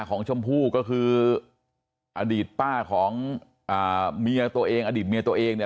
ชมพู่ก็คืออดีตป้าของอ่าเมียตัวเองอดีตเมียตัวเองเนี่ย